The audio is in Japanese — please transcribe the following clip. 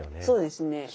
そうですね。